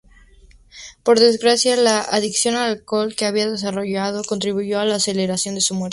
Por desgracia, la adicción al alcohol que había desarrollado contribuyó a acelerar su muerte.